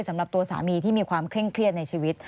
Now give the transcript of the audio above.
สำหรับตัวสามีที่มีความเคร่งเครียดในชีวิต